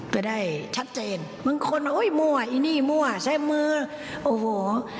จะได้ชัดเจนบางคนโอ้ยมั่วอีนี่มั่วใช้มือโอ้โห